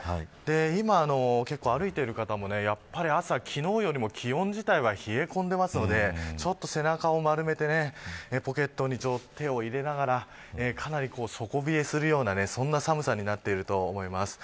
今、歩いている方も朝は昨日よりも気温は冷え込んでいるのでちょっと背中を丸めてポケットに手を入れながらかなり底冷えするような寒さになっていると思います。